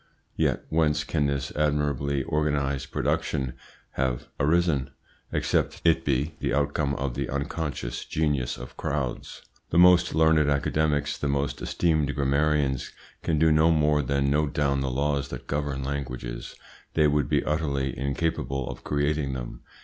Yet whence can this admirably organised production have arisen, except it be the outcome of the unconscious genius of crowds? The most learned academics, the most esteemed grammarians can do no more than note down the laws that govern languages; they would be utterly incapable of creating them.